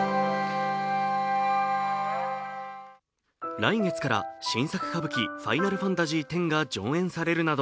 来月から新作歌舞伎「ファイナルファンタジーⅩ」が上演されるなど